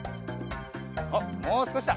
おっもうすこしだ。